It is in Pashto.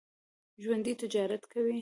ژوندي تجارت کوي